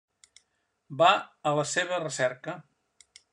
Va a la seva recerca.